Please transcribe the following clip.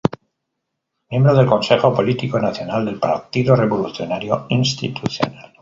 Miembro del Consejo Político Nacional del Partido Revolucionario Institucional.